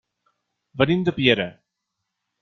Venim de Piera.